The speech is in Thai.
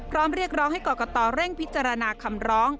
เรียกร้องให้กรกตเร่งพิจารณาคำร้อง